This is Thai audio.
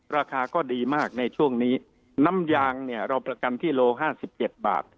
ราคาก็ดีมากในช่วงนี้น้ำยางเนี่ยเราประกันที่โลห้าสิบเจ็ดบาท